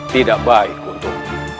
tidak baik untukku